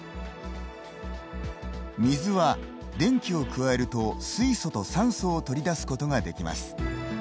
水は電気を加えると水素と酸素を取り出すことができます。